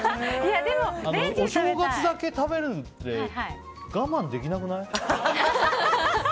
お正月だけ食べるって我慢できなくない？